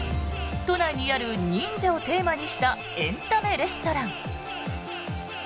都内にある、忍者をテーマにしたエンタメレストラン。